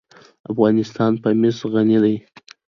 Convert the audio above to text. افغانستان په مس غني دی.